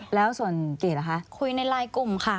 ใช่แล้วส่วนเกดละคะคุยในลายกลุ่มค่ะ